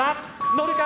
乗るか？